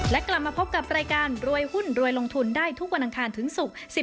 และกลับมาพบกับรายการรวยหุ้นรวยลงทุนได้ทุกวันอังคารถึงศุกร์